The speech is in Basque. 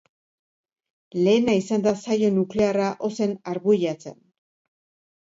Lehena izan da saio nuklearra ozen arbuiatzen.